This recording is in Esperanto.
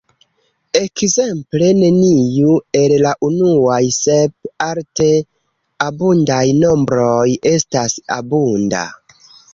Ekzemple neniu el la unuaj sep alte abundaj nombroj estas abunda.